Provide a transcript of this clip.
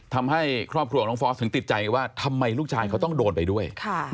ทำให้ครอบครัวของน้องฟอสถึงติดใจว่าทำไมลูกชายเขาต้องโดนไปด้วย